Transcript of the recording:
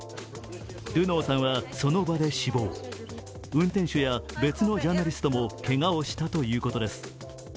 ルノーさんはその場で死亡、運転手や別のジャーナリストもけがをしたということです。